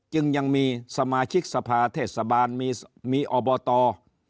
จึงยังมีสมาชิกสภาเทศบาลมีอบต